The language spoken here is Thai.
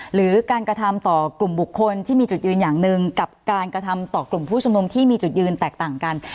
หรือการกระทำต่อกลุ่มบุคคลที่มีจุดยืนอย่างหนึ่งกับการกระทำต่อกลุ่มผู้ชุมนุมที่มีจุดยืนแตกต่างกัน